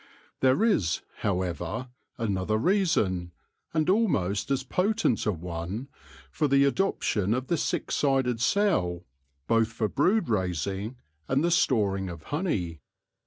There is, however, another reason, and almost as potent a one, for the adoption of the six sided cell both for brood raising and the storing of honey.